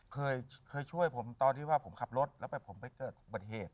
เคยช่วยผมตอนที่ว่าผมขับรถแล้วผมไปเกิดอุบัติเหตุ